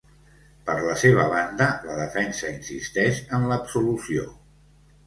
Per la seva banda, la defensa insisteix en l’absolució.